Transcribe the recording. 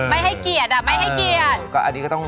ไม่ให้เกลียดอะไม่ให้เกลียด